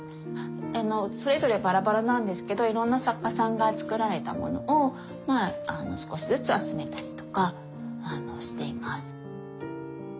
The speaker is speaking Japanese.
それぞれバラバラなんですけどいろんな作家さんが作られたものを少しずつ集めたりとかしています。